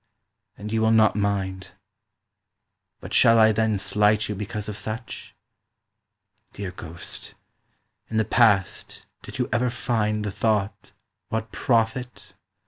And you will not mind. But shall I then slight you because of such? Dear ghost, in the past did you ever find The thought "What profit?"